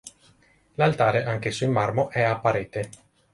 L'altare, anch'esso in marmo, è a parete.